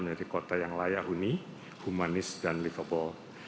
menjadi kota yang layak huni humanis dan livable